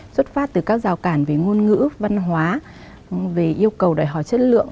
xuất phát từ các rào cản về ngôn ngữ văn hóa về yêu cầu đòi hỏi chất lượng